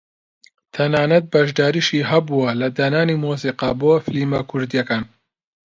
تەنانەت بەشداریشی هەبووە لە دانانی مۆسیقا بۆ فیلمە کوردییەکان